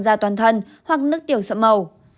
da toàn thân hoặc nước tiểu sẫm màu